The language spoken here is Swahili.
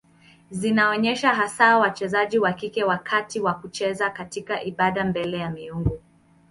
Zinaonyesha hasa wachezaji wa kike wakati wa kucheza katika ibada mbele ya miungu.